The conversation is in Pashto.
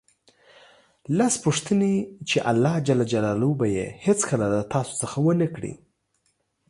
لس پوښتنې چې الله ج به یې هېڅکله له تاسو څخه ونه کړي